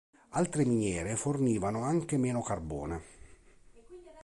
Altre miniere fornivano anche meno carbone.